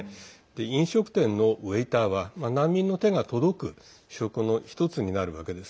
飲食店のウェイターは難民の手が届く職の１つになるわけです。